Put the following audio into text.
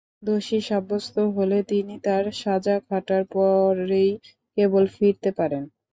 দোষী সাব্যস্ত হলে তিনি তাঁর সাজা খাটার পরেই কেবল ফিরতে পারেন।